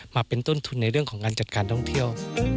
มาเป็นต้นทุนในเรื่องของการจัดการท่องเที่ยว